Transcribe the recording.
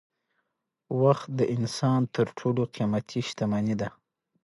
وخت د انسان تر ټولو قیمتي شتمني ده